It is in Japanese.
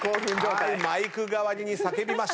マイク代わりに叫びました。